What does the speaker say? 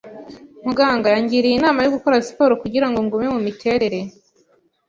Muganga yangiriye inama yo gukora siporo kugirango ngume mumiterere.